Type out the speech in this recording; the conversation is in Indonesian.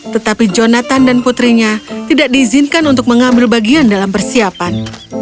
tetapi jonathan dan putrinya tidak diizinkan untuk mengambil bagian dalam persiapan